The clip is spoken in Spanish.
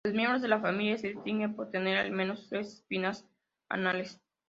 Los miembros de la familia se distinguen por tener al menos tres espinas anales.